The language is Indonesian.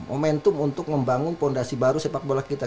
momentum untuk membangun fondasi baru sepak bola kita